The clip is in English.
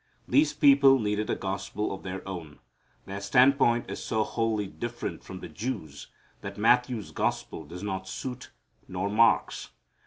These people needed a gospel of their own. Their standpoint is so wholly different from the Jews' that Matthew's gospel does not suit, nor Mark's.